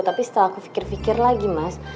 tapi setelah aku fikir fikir lagi mas